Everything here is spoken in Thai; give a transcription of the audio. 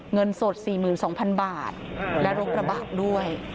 เงินสด๔๒๐๐๐บาทและรกระบะด้วย